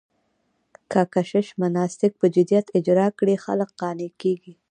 که کشیش مناسک په جديت اجرا کړي، خلک قانع کېږي.